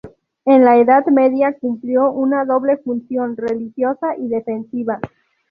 En la Edad Media, cumplió una doble función: religiosa y defensiva.